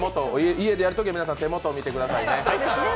家でやるときは皆さん、手元を見てくださいね。